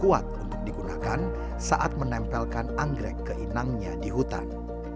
dataran yang menjadi lahan konservasi angkreg di hutan